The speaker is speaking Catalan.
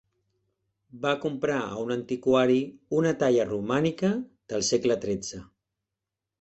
Va comprar a un antiquari una talla romànica del segle tretze.